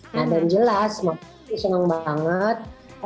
nah dan jelas seneng banget